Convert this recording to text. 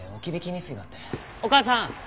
お母さん。